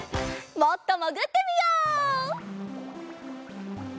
もっともぐってみよう！